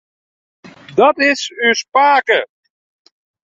Dat is ús pake.